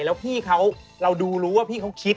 แล้วพี่เขาเราดูรู้ว่าพี่เขาคิด